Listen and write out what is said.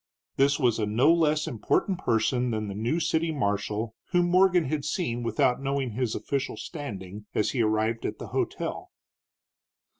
This was a no less important person than the new city marshal, whom Morgan had seen without knowing his official standing, as he arrived at the hotel.